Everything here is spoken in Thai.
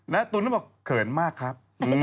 ตุ๋นก็บอกเขินมากครับ